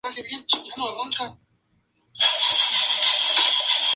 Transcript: La placa original se conserva en el Rijksmuseum de Ámsterdam.